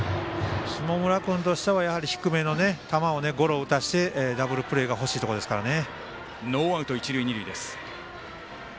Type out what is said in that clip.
下村君としては低めの球をゴロを打たせてダブルプレーが欲しいところですからね。